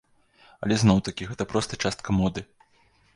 Але зноў такі, гэта проста частка моды.